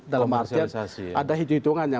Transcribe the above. dalam artian ada hitungannya